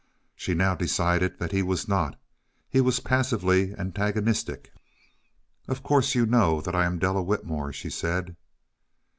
She now decided that he was not; he was passively antagonistic. "Of course you know that I'm Della Whitmore," she said.